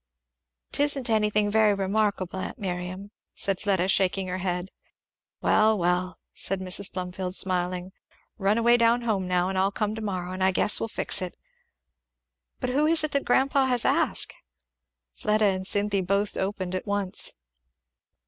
"'Tisn't anything very remarkable, aunt Miriam," said Fleda shaking her head. "Well, well," said Mrs. Plumfield smiling, "run away down home now, and I'll come to morrow, and I guess we'll fix it. But who is it that grandpa has asked?" Fleda and Cynthy both opened at once.